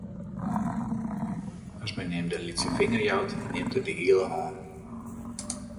As men him de lytse finger jout, nimt er de hiele hân.